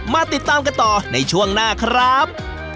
มาติดตามกันต่อในช่วงหน้าครับ